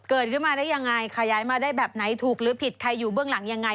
เกิดขึ้นมาได้ยังไงขยายมาได้แบบไหนถูกหรือผิดใครอยู่เบื้องหลังยังไง